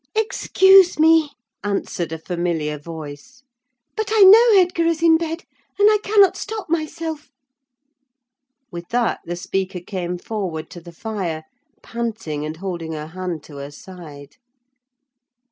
"Excuse me!" answered a familiar voice; "but I know Edgar is in bed, and I cannot stop myself." With that the speaker came forward to the fire, panting and holding her hand to her side.